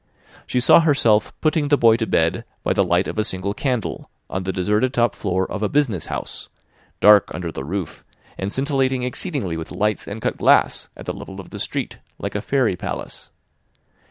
She saw herself putting the boy to bed by the light of a single candle on the deserted top floor of a "business house," dark under the roof and scintillating exceedingly with lights and cut glass at the level of the street like a fairy palace.